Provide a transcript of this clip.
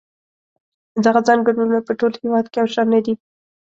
دغه څنګلونه په ټول هېواد کې یو شان نه دي.